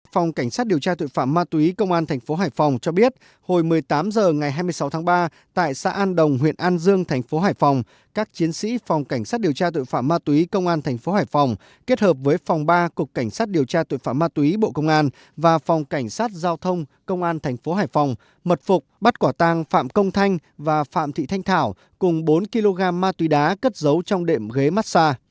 phòng cảnh sát điều tra tội phạm ma túy công an tp hải phòng cho biết hồi một mươi tám h ngày hai mươi sáu tháng ba tại xã an đồng huyện an dương tp hải phòng các chiến sĩ phòng cảnh sát điều tra tội phạm ma túy công an tp hải phòng kết hợp với phòng ba cục cảnh sát điều tra tội phạm ma túy bộ công an và phòng cảnh sát giao thông công an tp hải phòng mật phục bắt quả tàng phạm công thanh và phạm thị thanh thảo cùng bốn kg ma túy đá cất giấu trong đệm ghế mát xa